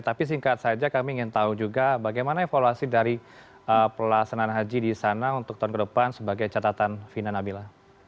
tapi singkat saja kami ingin tahu juga bagaimana evaluasi dari pelaksanaan haji di sana untuk tahun ke depan sebagai catatan vina nabila